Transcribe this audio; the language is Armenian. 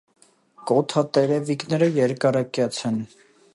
Կոթատերևիկները երկարակյաց են։